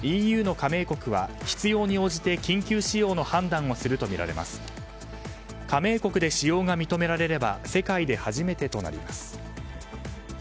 加盟国で使用が認められれば世界で初めてとなります。